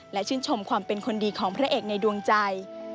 และชื่นชมความเป็นคนดีของพระเอกในดวงใจ